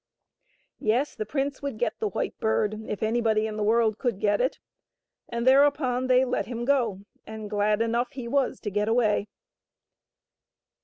Yes, the prince would get the White Bird if anybody in the world could get it. And thereupon they let him go, and glad enough he was to get away.